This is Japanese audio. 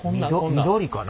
緑かな？